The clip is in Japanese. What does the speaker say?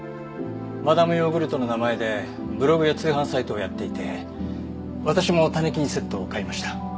マダム・ヨーグルトの名前でブログや通販サイトをやっていて私も種菌セットを買いました。